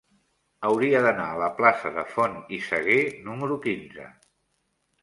Hauria d'anar a la plaça de Font i Sagué número quinze.